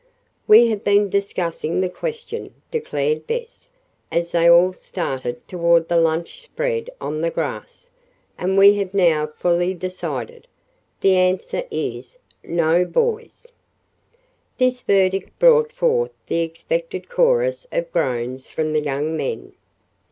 "We have been discussing the question," declared Bess, as they all started toward the lunch spread on the grass, "and we have now fully decided. The answer is: No boys!" This verdict brought forth the expected chorus of groans from the young men.